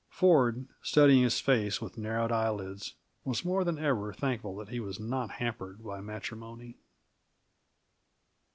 Ford, studying his face with narrowed eyelids, was more than ever thankful that he was not hampered by matrimony.